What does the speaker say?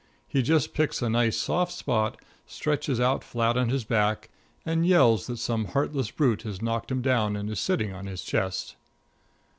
He just picks a nice, soft spot, stretches out flat on his back, and yells that some heartless brute has knocked him down and is sitting on his chest.